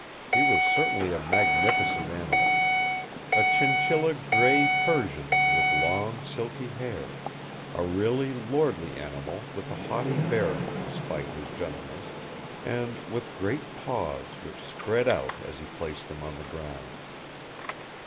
He was certainly a magnificent animal. A chinchilla grey Persian with long silky hair; a really lordly animal with a haughty bearing despite his gentleness; and with great paws which spread out as he placed them on the ground.